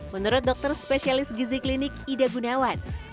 menurut dokter spesialis gizi klinik ida gunawan